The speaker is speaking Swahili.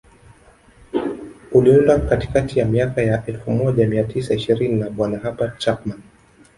uliundwa katikati ya miaka ya elfu moja mia tisa ishirini na bwana Herbert Chapman